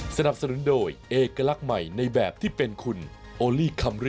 สนับสนุนโดยเอกลักษณ์ใหม่ในแบบที่เป็นคุณโอลี่คัมริ